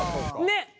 「ねっ！」